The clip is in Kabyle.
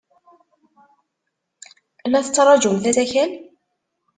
La tettṛajumt asakal?